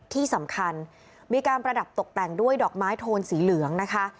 ที่สำคัญมีการประดับตกแต่งด้วยดอกไม้โทนสีเหลืองนะคะ